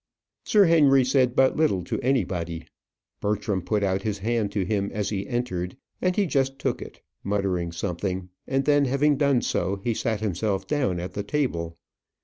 Sir Henry said but little to anybody. Bertram put out his hand to him as he entered, and he just took it, muttering something; and then, having done so, he sat himself down at the table.